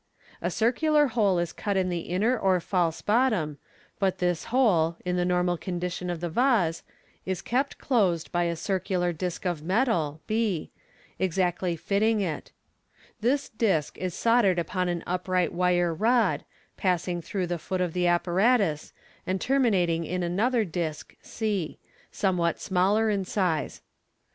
A circular hole is cut in the inner or false bottom, but this hole, in the normal condition of the vase, is kept closed by a circular disc of metal, b, exactly fitting it This disc is soldered upon an upright wire rod, passing through the foot of the apparatus, and terminating in another disc, c, somewhat smaller in size.